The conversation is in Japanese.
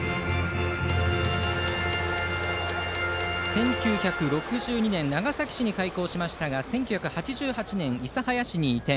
１９６２年長崎市に開校しましたが１９８８年、諫早市に移転。